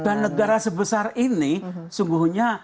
dan negara sebesar ini sungguhnya